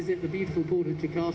saya telah berpindah ke jokarta